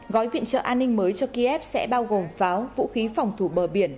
gói viện trợ an ninh mới cho kiev sẽ bao gồm pháo vũ khí phòng thủ bờ biển